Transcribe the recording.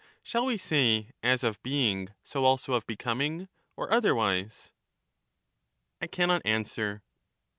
Shall we say as of being so also of becoming, or otherwise ? I cannot answer.